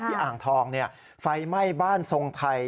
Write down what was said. อ่างทองไฟไหม้บ้านทรงไทย